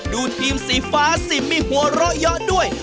ดูทีมสีฟ้าสิมีหัวเราะเยอะด้วย